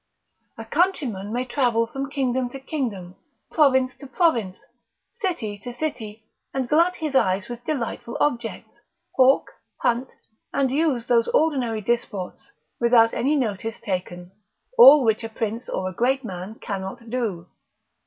A countryman may travel from kingdom to kingdom, province to province, city to city, and glut his eyes with delightful objects, hawk, hunt, and use those ordinary disports, without any notice taken, all which a prince or a great man cannot do.